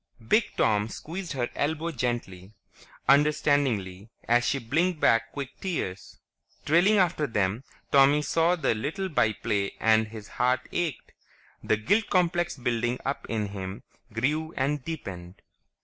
Big Tom squeezed her elbow gently, understandingly, as she blinked back quick tears. Trailing after them, Tommy saw the little by play and his heart ached. The guilt complex building up in him grew and deepened.